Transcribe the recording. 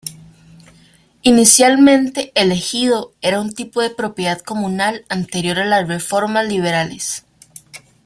Inicialmente, el ejido era un tipo de propiedad comunal anterior a las reformas liberales.